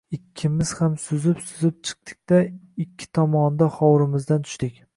Ikkimiz ham suzib-suzib chiqdik-da, ikki tomonda hovrimizdan tushdik